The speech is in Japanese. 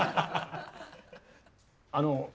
あの。